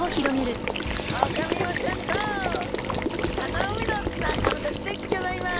オオカミウオちゃんと北の海の仲間たちでギョざいます！